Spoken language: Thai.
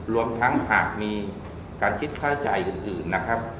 รวมทั้งหากมีการคิดค่าจ่ายอื่นนะครับ